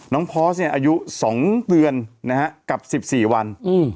พอร์สเนี่ยอายุ๒เดือนนะฮะกับ๑๔วัน